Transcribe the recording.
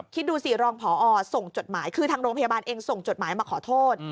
คิดดูสิรองพอส่งจดหมายคือทางโรงพยาบาลเองส่งจดหมายมาขอโทษ